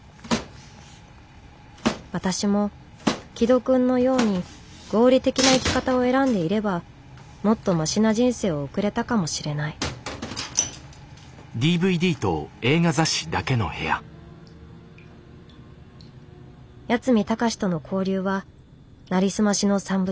私も紀土くんのように合理的な生き方を選んでいればもっとマシな人生を送れたかもしれない八海崇との交流はなりすましの産物。